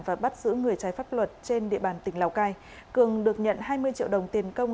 và bắt giữ người trái pháp luật trên địa bàn tỉnh lào cai cường được nhận hai mươi triệu đồng tiền công